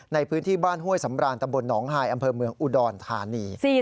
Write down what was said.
ในพื้นที่บ้านห้วยสำรานตำบลหนองฮายอำเภอเมืองอุดรธานี